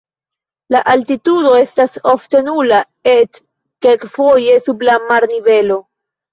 La altitudo estas ofte nula, eĉ kelkfoje sub la marnivelo.